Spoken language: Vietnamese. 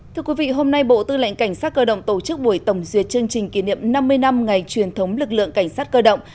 thưa quý vị hôm nay bộ tư lệnh cảnh sát cơ động tổ chức buổi tổng duyệt chương trình kỷ niệm năm mươi năm ngày truyền thống lực lượng cảnh sát cơ động